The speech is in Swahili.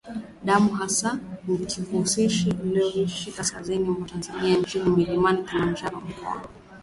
damu hasa ya Kikushi wanaoishi kaskazini mwa Tanzania chini ya mlima Kilimanjaro mkoani Kilimanjaro